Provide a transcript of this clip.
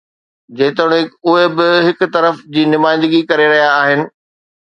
جيتوڻيڪ اهي به هڪ طرف جي نمائندگي ڪري رهيا آهن.